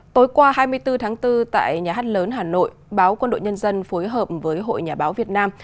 tối qua hai mươi bốn tháng bốn tại nhà hát lớn hà nội báo quân đội nhân dân phối hợp với hội nhà báo việt nam